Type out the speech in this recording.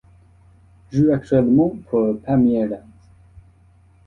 Joue actuellement pour Palmeiras.